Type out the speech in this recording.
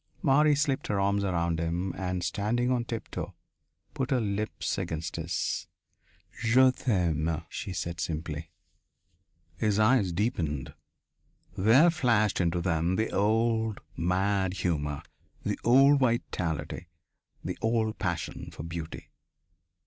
Marie slipped her arms around him and, standing on tiptoe, put her lips against his. "Je t'aime," she said simply. His eyes deepened. There flashed into them the old, mad humour, the old vitality, the old passion for beauty.